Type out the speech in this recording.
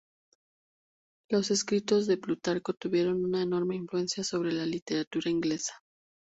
Los escritos de Plutarco tuvieron una enorme influencia sobre la literatura inglesa.